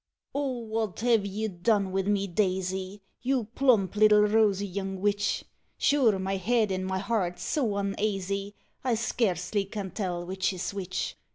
Oh! what have you done wid me, Daisy? You plump little rosy young witch! Sure my head and my heart's so unaisy I scarcely can tell which is which.